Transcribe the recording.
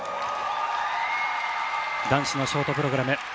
男子のショートプログラム。